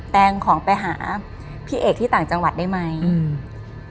แงงของไปหาพี่เอกที่ต่างจังหวัดได้ไหมอืม